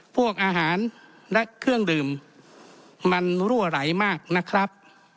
พวกอาหารและเครื่องดื่มมันรั่วไหลมากนะครับ